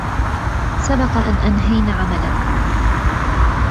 سبق أن أنهينا عملنا.